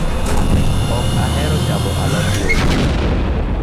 Ok ahero chamo alot lilo